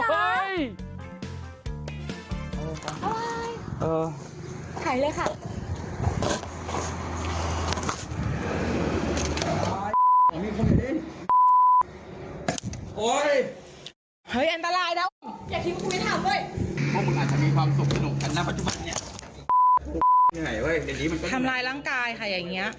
คุณสมัครค่ะคุณสมัครค่ะคุณสมัครค่ะ